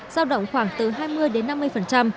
giao động khoảng từ hai mươi đến năm mươi